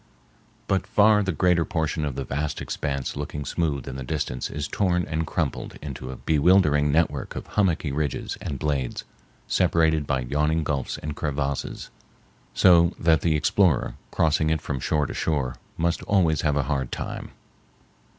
But far the greater portion of the vast expanse looking smooth in the distance is torn and crumpled into a bewildering network of hummocky ridges and blades, separated by yawning gulfs and crevasses, so that the explorer, crossing it from shore to shore, must always have a hard time.